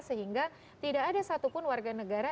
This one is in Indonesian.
sehingga tidak ada satupun warga negara